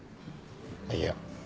いや。